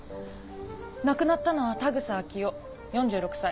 亡くなったのは田草明夫４６歳。